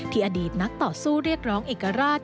อดีตนักต่อสู้เรียกร้องเอกราช